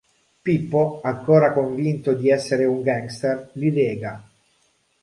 Pippo, ancora convinto di essere un gangster, li lega.